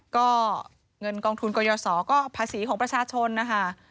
ก็เงินกองทุนกรยศก็ภาษีของประชาชนนะคะ